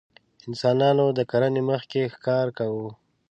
انسانانو د کرنې مخکې ښکار کاوه.